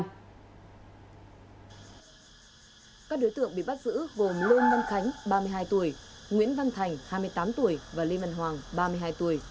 các đối tượng bị bắt giữ gồm lương nhân khánh ba mươi hai tuổi nguyễn văn thành hai mươi tám tuổi và lê văn hoàng ba mươi hai tuổi